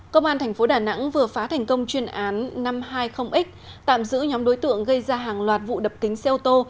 công an thành phố đà nẵng vừa phá thành công chuyên án năm trăm hai mươi x tạm giữ nhóm đối tượng gây ra hàng loạt vụ đập kính xe ô tô